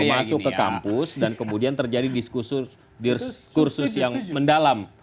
masuk ke kampus dan kemudian terjadi diskursus yang mendalam